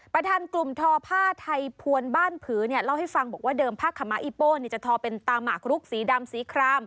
ประธานกลุ่มทอผ้าไทยพวนบ้านผือเนี่ยเล่าให้ฟังบอกว่าเดิมผ้าขมะอีโป้จะทอเป็นตาหมากรุกสีดำสีคราม